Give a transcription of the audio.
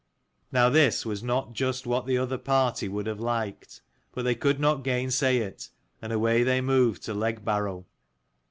Now this was not just what the other party would have liked, but they could not gainsay it, and away they moved to Legbarrow.